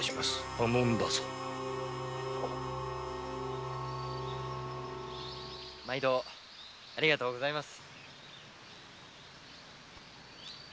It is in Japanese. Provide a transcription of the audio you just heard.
頼んだぞ毎度ありがとうございます。